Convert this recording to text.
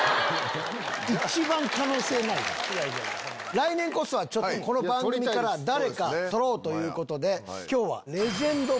来年こそはこの番組から誰か取ろうということで。